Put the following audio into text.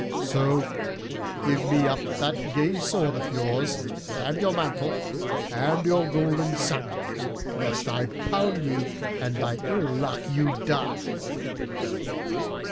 "So give me up that gay sword of yours, and your mantle, and your golden sandals, lest I pound you and by ill luck you die!"